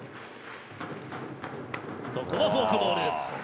ここはフォークボール。